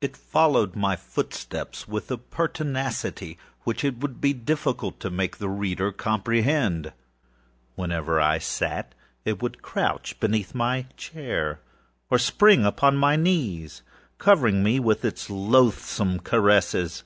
It followed my footsteps with a pertinacity which it would be difficult to make the reader comprehend. Whenever I sat, it would crouch beneath my chair, or spring upon my knees, covering me with its loathsome caresses.